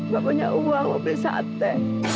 gak punya uang mau beli sate